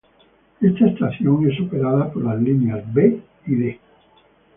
Esta estación es operada por las líneas B y la D,